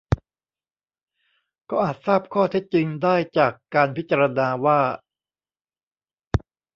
ก็อาจทราบข้อเท็จจริงได้จากการพิจารณาว่า